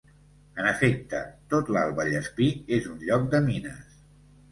En efecte, tot l'Alt Vallespir és un lloc de mines.